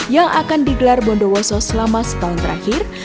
yang akan digelar bondowoso selama setahun terakhir